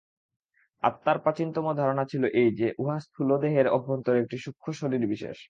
আত্মার প্রাচীনতম ধারণা ছিল এই যে, উহা স্থূলদেহের অভ্যন্তরে একটি সূক্ষ্ম শরীর- বিশেষ।